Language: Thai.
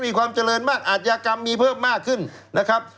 มีความเจริญมากอาทยากรรมมีเพิ่มมากขึ้นนะครับ